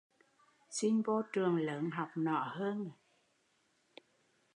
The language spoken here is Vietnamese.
Xin vô trường lớn học nỏ hơn